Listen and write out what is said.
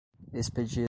Expedida